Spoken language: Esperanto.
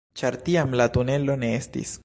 Ĉar tiam la tunelo ne estis